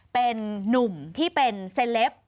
เป็นนุ่มที่เป็นเซลป